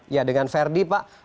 ya dengan ferdi pak